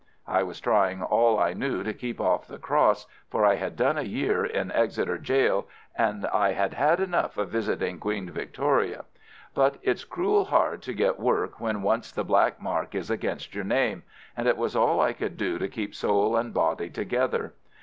I was trying all I knew to keep off the cross, for I had done a year in Exeter Gaol, and I had had enough of visiting Queen Victoria. But it's cruel hard to get work when once the black mark is against your name, and it was all I could do to keep soul and body together.